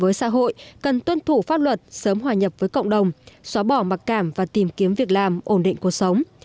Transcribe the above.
với xã hội cần tuân thủ pháp luật sớm hòa nhập với cộng đồng xóa bỏ mặc cảm và tìm kiếm việc làm ổn định cuộc sống